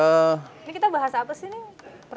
ini kita bahas apa sih nih